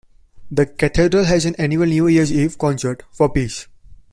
The cathedral has an annual New Year's Eve Concert for Peace.